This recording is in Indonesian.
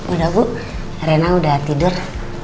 udah bu arena udah tidur